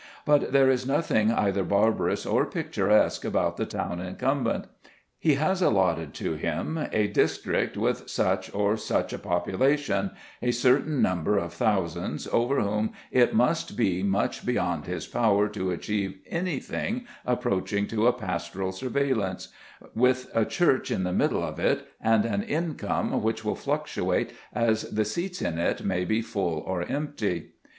But there is nothing either barbarous or picturesque about the town incumbent. He has allotted to him a district, with such or such a population, a certain number of thousands over whom it must be much beyond his power to achieve anything approaching to a pastoral surveillance, with a church in the middle of it, and an income which will fluctuate as the seats in it may be full or empty.